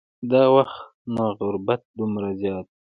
دا وخت نو غربت دومره زیات و.